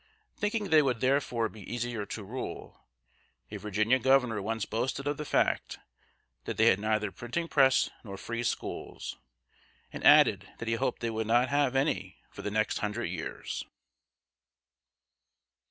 Thinking they would therefore be easier to rule, a Virginia governor once boasted of the fact that they had neither printing press nor free schools, and added that he hoped they would not have any for the next hundred years!